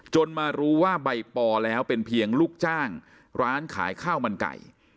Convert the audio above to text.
มารู้ว่าใบปอแล้วเป็นเพียงลูกจ้างร้านขายข้าวมันไก่